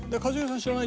俺知らない。